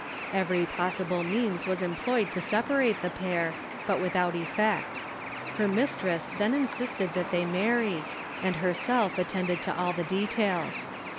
Every possible means was employed to sep arate the pair, but without effect. Her mistress then insisted that they marry, and herself attended to all the details.